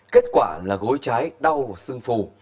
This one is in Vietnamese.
kết quả là gối trái đau sưng phù